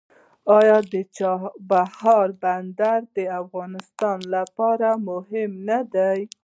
آیا د چابهار بندر د افغانستان لپاره مهم نه دی؟